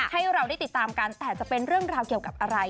ให้เราได้ติดตามกันแต่จะเป็นเรื่องราวเกี่ยวกับอะไร